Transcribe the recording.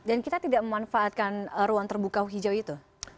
dan kita tidak memanfaatkan ruang terbuka hijau itu